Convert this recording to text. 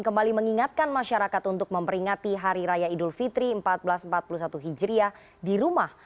kembali mengingatkan masyarakat untuk memperingati hari raya idul fitri seribu empat ratus empat puluh satu hijriah di rumah